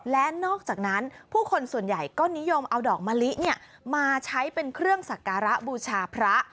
และนอกจากนั้นผู้คนส่วนใหญ่ก็นิยมเอาดอกมะลิมาใช้เป็นเครื่องสักการะบูชาพระ